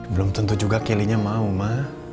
belum tentu juga kelly nya mau ma